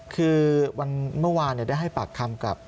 คือเมื่อวานได้ให้ปากคำกับ